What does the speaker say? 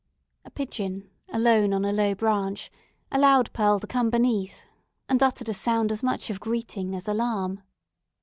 A pigeon, alone on a low branch, allowed Pearl to come beneath, and uttered a sound as much of greeting as alarm.